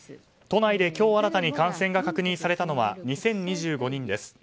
都内で今日、新たに感染が確認されたのは２０２５人です。